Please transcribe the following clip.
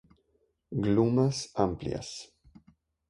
Glumas amplias.